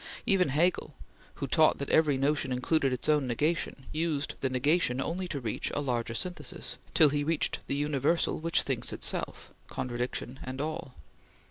Even Hegel, who taught that every notion included its own negation, used the negation only to reach a "larger synthesis," till he reached the universal which thinks itself, contradiction and all.